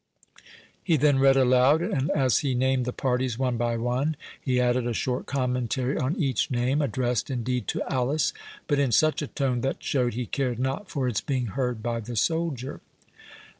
He then read aloud, and as he named the parties one by one, he added a short commentary on each name, addressed, indeed, to Alice, but in such a tone that showed he cared not for its being heard by the soldier.